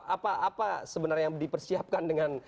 apa sebenarnya yang dipersiapkan dengan